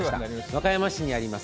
和歌山市にあります